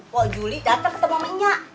kok juli datang ketemu sama nyak